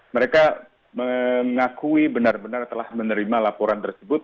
mereka mengakui benar benar telah menerima laporan tersebut